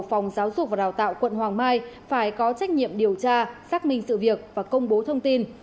phòng giáo dục và đào tạo quận hoàng mai phải có trách nhiệm điều tra xác minh sự việc và công bố thông tin